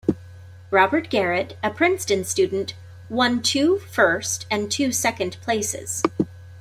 Robert Garrett, a Princeton student, won two first and two second places.